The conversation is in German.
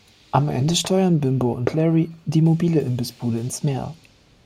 Am Ende steuern Bimbo und Larry die mobile Imbissbude ins Meer.